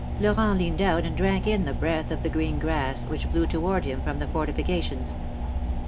Florent leaned out and drank in the breath of the green grass, which blew toward him from the fortifications.